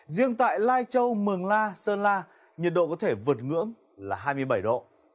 riêng tại lai châu mường la sơn la nhiệt độ có thể vượt ngưỡng là hai mươi bảy độ